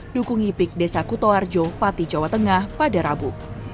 dukungi pik desa kutoarjo pati jawa tengah pada rabu